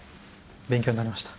勉強になりました。